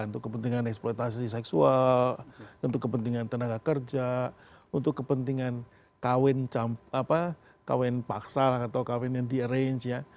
untuk kepentingan eksploitasi seksual untuk kepentingan tenaga kerja untuk kepentingan kawin paksa atau kawin yang di arrange ya